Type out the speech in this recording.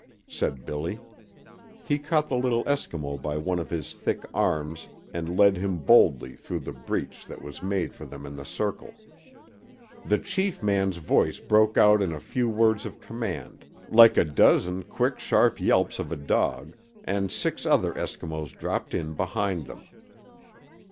said Billy. He caught the little Eskimo by one of his thick arms and led him boldly through the breach that was made for them in the circle. The chief man's voice broke out in a few words of command, like a dozen quick, sharp yelps of a dog, and six other Eskimos dropped in behind them.